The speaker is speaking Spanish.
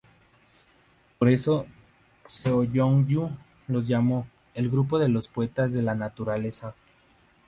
Por eso Seo Jeong-ju los llamó "el grupo de los poetas de la naturaleza"